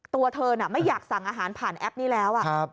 ตัวเธอไม่อยากสั่งอาหารผ่านแอปนี้แล้ว